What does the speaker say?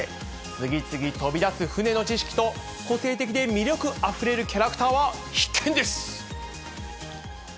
次々飛び出す船の知識と、個性的で魅力あふれるキャラクターは必見です。